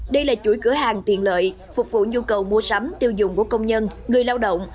đây là chuỗi cửa hàng tiện lợi phục vụ nhu cầu mua sắm tiêu dùng của công nhân người lao động